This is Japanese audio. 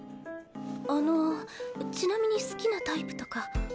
あのちなみに好きなタイプとか。